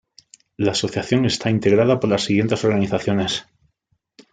La asociación está integrada por las siguientes organizaciones.